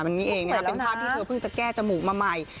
เป็นภาพที่เธอเพิ่งจะแก้จมูกมาใหม่